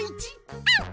うん！